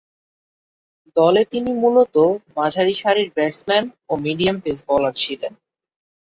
দলে তিনি মূলতঃ মাঝারিসারির ব্যাটসম্যান ও মিডিয়াম পেস বোলার ছিলেন।